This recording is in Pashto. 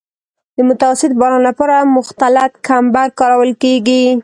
د متوسط باران لپاره مختلط کمبر کارول کیږي